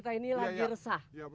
jangan pergi sama aku